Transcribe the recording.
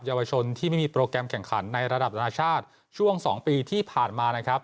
เยาวชนที่ไม่มีโปรแกรมแข่งขันในระดับนานาชาติช่วง๒ปีที่ผ่านมานะครับ